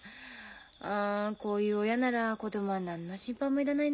あこういう親なら子供は何の心配もいらないなって思った。